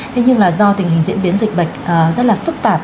thế nhưng là do tình hình diễn biến dịch bệnh rất là phức tạp